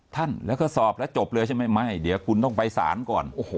ท่านแล้วก็สอบแล้วจบเลยใช่ไหมไม่เดี๋ยวคุณต้องไปสารก่อน